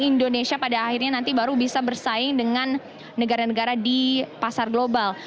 indonesia pada akhirnya nanti baru bisa bersaing dengan negara negara di pasar global